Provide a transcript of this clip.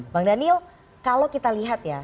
bang daniel kalau kita lihat ya